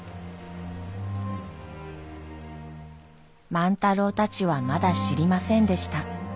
万太郎たちはまだ知りませんでした。